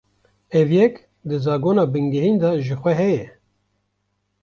Ev yek, di zagona bingehîn de jixwe heye